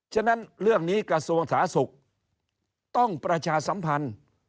ฉะนั้นเรื่องนี้กระทรวงสาธารณสุขต้องประชาสัมพันธ์